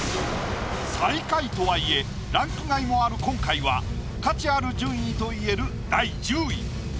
最下位とはいえランク外もある今回は価値ある順位といえる第１０位。